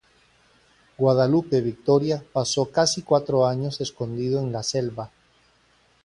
Guadalupe Victoria pasó casi cuatro años escondido en la selva.